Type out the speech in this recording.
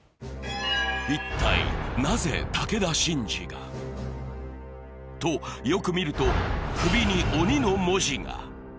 一体なぜ武田真治が？と、よく見ると首に「鬼」の文字が。